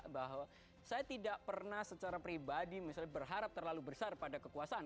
bahwa saya tidak pernah secara pribadi misalnya berharap terlalu besar pada kekuasaan